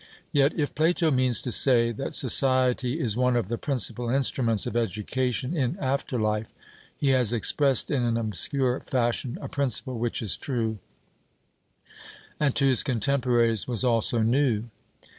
Yet if Plato means to say that society is one of the principal instruments of education in after life, he has expressed in an obscure fashion a principle which is true, and to his contemporaries was also new.